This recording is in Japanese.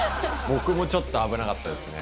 僕もちょっと危なかったですね。